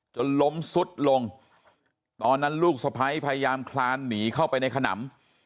จนล้มสุดลงตอนนั้นลูกสะพ้ายพยายามคลานหนีเข้าไปในขนำ